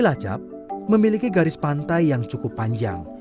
cilacap memiliki garis pantai yang cukup panjang